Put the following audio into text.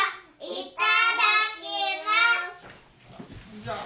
いただきます。